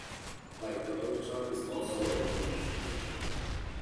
Like Roh, Chung is also a Roman Catholic.